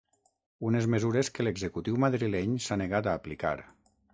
Unes mesures que l’executiu madrileny s’ha negat a aplicar.